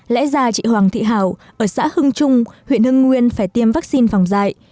lẽ ra chị hoàng thị hảo ở xã hưng trung huyện hưng nguyên phải tiêm vaccine phòng dạy